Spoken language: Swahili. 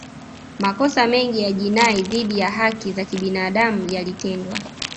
Makosa mengi ya jinai dhidi ya haki za kibinadamu yalitendwa